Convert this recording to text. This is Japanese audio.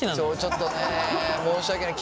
ちょっとね申し訳ない。